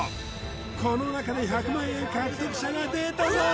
この中で１００万円獲得者が出たぞー！